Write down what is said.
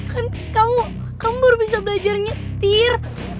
kan kamu kamu baru bisa belajar nyetir